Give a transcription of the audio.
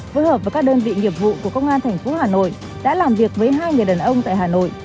với hợp với các đơn vị nhiệm vụ của công an tp hà nội đã làm việc với hai người đàn ông tại hà nội